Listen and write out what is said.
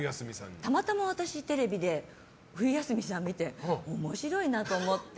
たまたま私、テレビで冬休みさんを見て面白いなと思って。